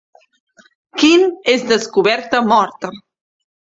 Quinn és descoberta morta.